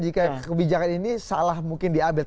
jika kebijakan ini salah mungkin diupdate